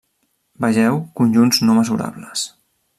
Vegeu conjunts no mesurables.